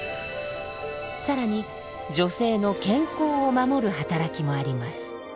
更に女性の健康を守る働きもあります。